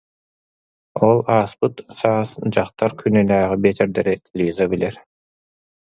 Ол ааспыт саас Дьахтар күнүнээҕи биэчэрдэри Лиза билэр